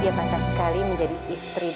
dia tak pernah sekali menjadi istri dari tante